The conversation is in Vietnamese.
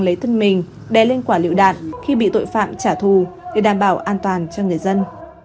lấy thân mình đe lên quả liệu đạt khi bị tội phạm trả thù để đảm bảo an toàn cho người dân